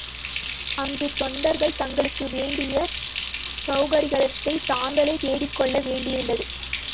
அங்கு தொண்டர்கள் தங்களுக்கு வேண்டிய செளகரியங்களைத தாங்களே தேடிக்கொள்ள வேண்டியிருந்தது.